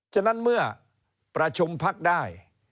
ฉะนั้นเมื่อประชุมพักได้